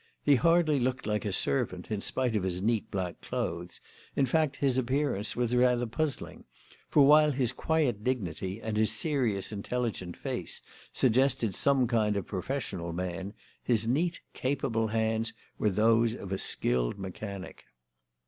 He hardly looked like a servant, in spite of his neat, black clothes; in fact, his appearance was rather puzzling, for while his quiet dignity and his serious, intelligent face suggested some kind of professional man, his neat, capable hands were those of a skilled mechanic.